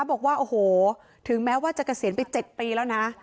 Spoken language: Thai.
บอกว่าโอ้โหถึงแม้ว่าจะเกษียณไป๗ปีแล้วนะ